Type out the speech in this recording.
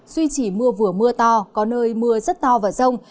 duy trì mưa vừa mưa to có nơi mưa rất to và rông